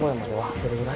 どれぐらい？